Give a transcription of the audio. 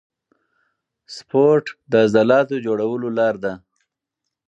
سپورت د عضلاتو جوړولو لاره ده.